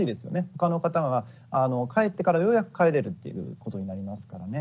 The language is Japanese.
他の方が帰ってからようやく帰れるっていうことになりますからね。